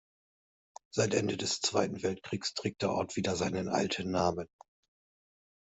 Seit Ende des Zweiten Weltkrieges trägt der Ort wieder seinen alten Namen.